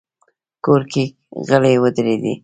کور کې غلې ودرېدې.